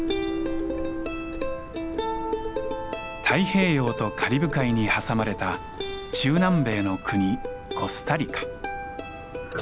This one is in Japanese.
太平洋とカリブ海に挟まれた中南米の国コスタリカ。